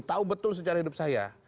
tahu betul sejarah hidup saya